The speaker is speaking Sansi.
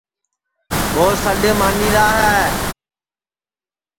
ٻو سڈؔ مانی را ہے